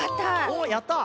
おやった！